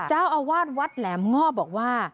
เจ้าอาวาสวัดแหลมง่อบอกว่า